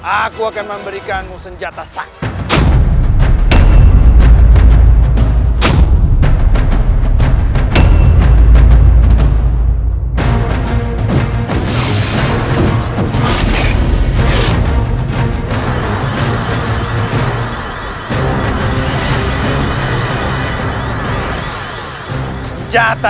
aku akan memberikanmu senjata sakit